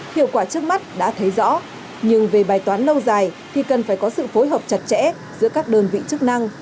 hiệu quả trước mắt đã thấy rõ nhưng về bài toán lâu dài thì cần phải có sự phối hợp chặt chẽ giữa các đơn vị chức năng